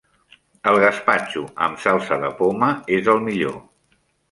El gaspatxo amb salsa de poma és el millor.